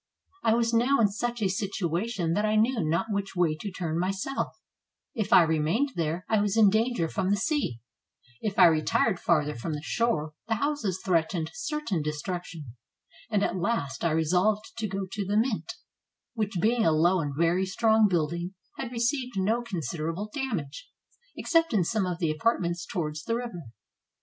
I was now in such a situation that I knew not which way to turn myself: if I remained there, I was in dan ger from the sea; if I retired farther from the shore, the houses threatened certain destruction; and at last, I resolved to go to the Mint, which being a low and very strong building, had received no considerable damage, except in some of the apartments towards the river.